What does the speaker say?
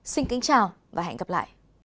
xin kính chào và hẹn gặp lại